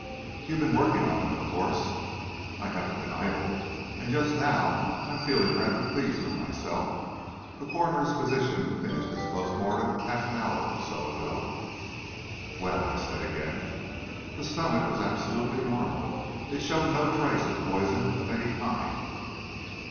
"You've been working on it, of course?" "I haven't been idle, and just now I'm feeling rather pleased with myself. The coroner's physician finished his post mortem half an hour or so ago." "Well?" I said again. "The stomach was absolutely normal. It showed no trace of poison of any kind."